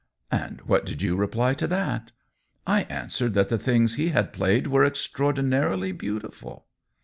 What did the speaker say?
" And what did you reply to that ?"" I answered that the things he had played were extraordinarily beautiful."